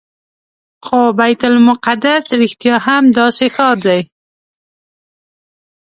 خو بیت المقدس رښتیا هم داسې ښار دی.